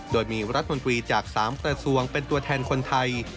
โดยมีรัฐมนตรีจาก๓กระทรวงเป็นตัวแทนคนไทย